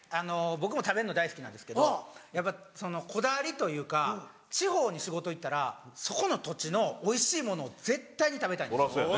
僕も食べんの大好きなんですけどやっぱそのこだわりというか地方に仕事行ったらそこの土地のおいしいものを絶対に食べたいんですよ。